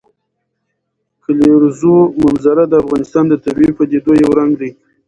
د کلیزو منظره د افغانستان د طبیعي پدیدو یو رنګ دی.